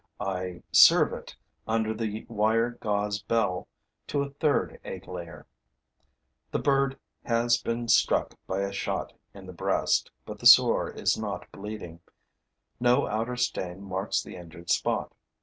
I serve it, under the wire gauze bell, to a third egg layer. The bird has been struck by a shot in the breast, but the sore is not bleeding: no outer stain marks the injured spot.